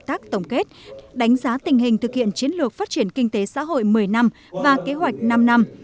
tác tổng kết đánh giá tình hình thực hiện chiến lược phát triển kinh tế xã hội một mươi năm và kế hoạch năm năm